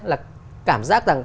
là cảm giác rằng